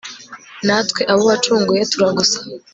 natwe abo wacunguye, turagusaba